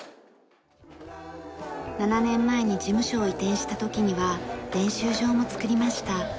７年前に事務所を移転した時には練習場も造りました。